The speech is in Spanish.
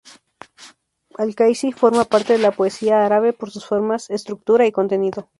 Al-Qaysi forma parte de la poesía árabe, por sus formas, estructura y contenido.